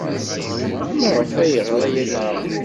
Maɣef ay as-yeɣra akken?